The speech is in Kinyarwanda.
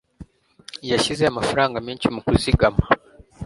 yashyize amafaranga menshi mu kuzigama